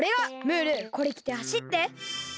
ムールこれきてはしって。